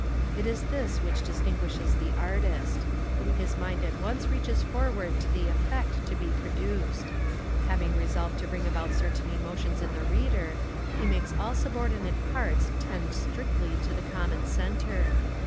It is this which distinguishes the artist. His mind at once reaches forward to the effect to be produced. Having resolved to bring about certain emotions in the reader, he makes all subordinate parts tend strictly to the common centre.